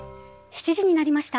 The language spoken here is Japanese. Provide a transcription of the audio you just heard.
７時になりました。